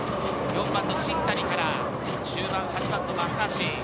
４番の新谷から中盤８番の松橋。